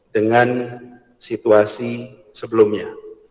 dan situasi sebelumnya